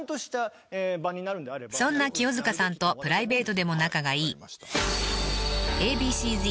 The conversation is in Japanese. ［そんな清塚さんとプライベートでも仲がいい］